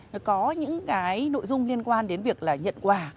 nó có những cái nội dung liên quan đến việc là nhận quà